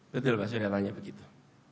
betul pak surya tanya begitu